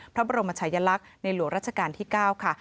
พระบรมชายลักษณ์ในหลวงราชการที่๙ค่ะ